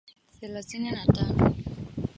thelathini na tano